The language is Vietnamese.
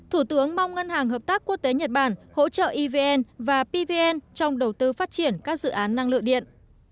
thủ tướng mong ngân hàng hợp tác quốc tế nhật bản hỗ trợ evn và pvn trong đầu tư phát triển các dự án năng lượng điện